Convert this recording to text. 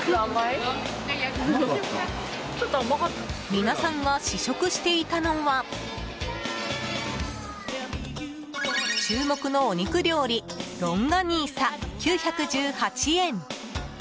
皆さんが試食していたのは注目のお肉料理ロンガニーサ、９１８円。